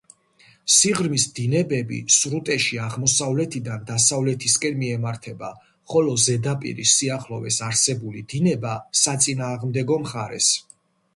სიღრმის დინებები სრუტეში აღმოსავლეთიდან დასავლეთისკენ მიემართება, ხოლო ზედაპირის სიახლოვეს არსებული დინება საწინააღმდეგო მხარეს.